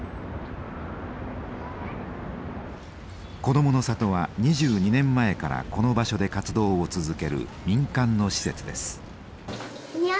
「こどもの里」は２２年前からこの場所で活動を続ける民間の施設です。